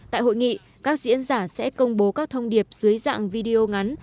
tại hội nghị các diễn giả sẽ công bố các thông điệp dưới dạng video ngắn